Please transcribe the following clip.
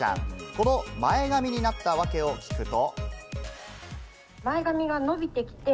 この前髪になったわけを聞くと。